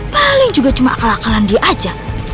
paling juga cuma akal akalan dia aja